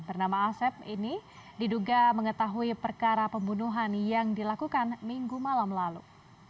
bernama asep ini diduga mengetahui perkara pembunuhan yang dilakukan minggu malam lalu